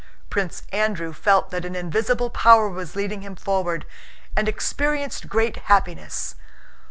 Prince Andrew felt that an invisible power was leading him forward, and experienced great happiness.